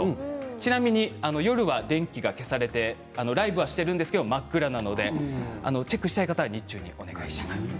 ちなみに夜は電気が消されてライブはしているんですけど真っ暗なのでチェックしたい方は日中にお願いします。